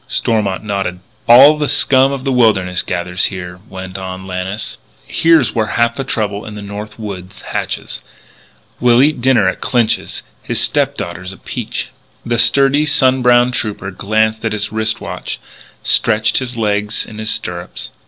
Stormont nodded. "All the scum of the wilderness gathers here," went on Lannis. "Here's where half the trouble in the North Woods hatches. We'll eat dinner at Clinch's. His stepdaughter is a peach." The sturdy, sun browned trooper glanced at his wrist watch, stretched his legs in his stirrups.